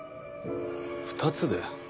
２つで？